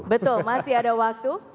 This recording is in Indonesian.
betul masih ada waktu